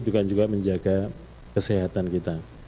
dan juga menjaga kesehatan kita